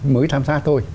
mới tham gia thôi